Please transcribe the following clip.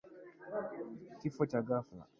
Kifo cha ghafla